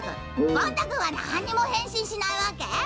ゴン太くんはなんにもへんしんしないわけ？